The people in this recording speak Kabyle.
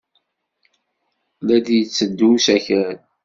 La d-yetteddu usakal.